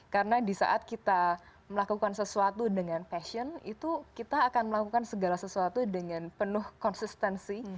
karena disaat kita melakukan sesuatu dengan passion itu kita akan melakukan segala sesuatu dengan penuh consistency